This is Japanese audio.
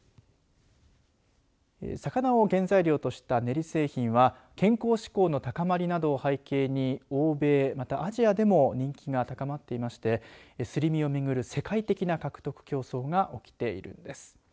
魚を原材料とした練り製品は健康志向の高まりなどを背景に欧米、またアジアでも人気が高まっていましてすり身を巡る世界的な獲得競争が起きているんです。